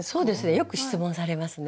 よく質問されますね。